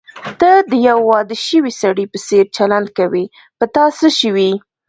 ته د یوه واده شوي سړي په څېر چلند کوې، په تا څه شوي؟